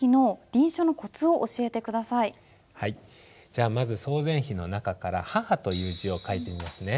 じゃあまず「曹全碑」の中から「母」という字を書いてみますね。